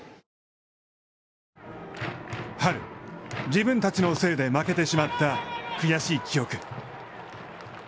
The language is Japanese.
春、自分たちのせいで負けてしまった悔しい記憶。